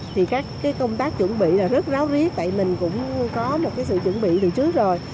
thì các công tác chuẩn bị là rất ráo huyết tại mình cũng có một sự chuẩn bị từ trước rồi